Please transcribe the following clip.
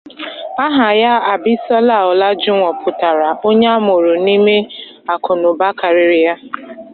Aha ya, Abisola Olajuwon, pụtara "onye a mụrụ n'ime akụ na ụba karịrị ya".